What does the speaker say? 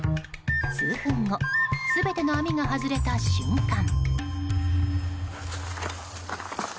数分後、全ての網が外れた瞬間。